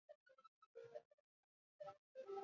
目前隶属于大泽事务所旗下。